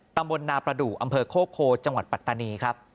ตำบลนาประดูกอำเภอโคกโคจังหวัดปัตตานีครับ